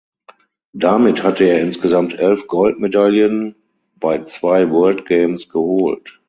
Damit hatte er insgesamt elf Goldmedaillen bei zwei World Games geholt.